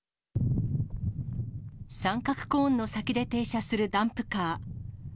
三角コーンの先で停車するダンプカー。